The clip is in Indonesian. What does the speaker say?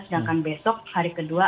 sedangkan besok hari kedua